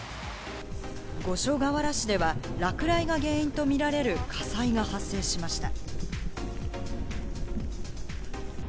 五所川原市では落雷が原因とみられる火災が発生しました。